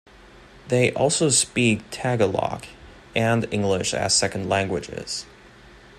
They also speak Tagalog, and English as second languages.